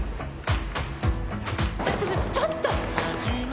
ちょちょっと！